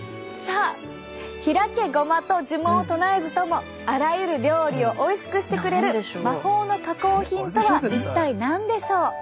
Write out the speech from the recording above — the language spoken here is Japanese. さあひらけごまと呪文を唱えずともあらゆる料理をおいしくしてくれる魔法の加工品とは一体何でしょう？